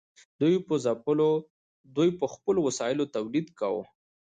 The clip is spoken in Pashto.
دوی په خپلو وسایلو تولید کاوه.